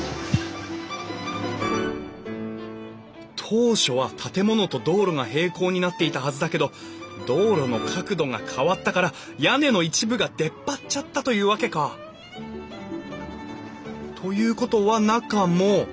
当初は建物と道路が平行になっていたはずだけど道路の角度が変わったから屋根の一部が出っ張っちゃったというわけか。ということは中も。